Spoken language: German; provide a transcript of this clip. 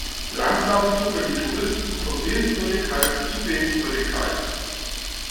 Langsam zuckeln die Touristen von Sehenswürdigkeit zu Sehenswürdigkeit.